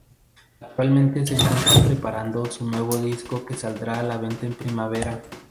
Actualmente se encuentra preparando su nuevo disco que saldrá a venta en primavera.